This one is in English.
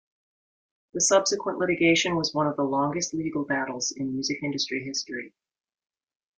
The subsequent litigation was one of the longest legal battles in music industry history.